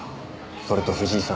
それと藤井さん